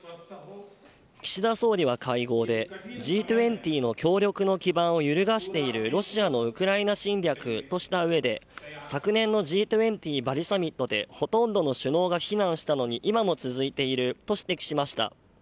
岸田総理は会合でＧ２０の協力の基盤を揺るがしているロシアのウクライナ侵略とした上で昨年のＧ２０バリサミットでほとんどの首脳が非難したのに今も続いていると指摘しました。